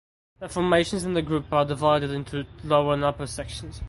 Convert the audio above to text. The formations in the group are divided into lower and upper sections.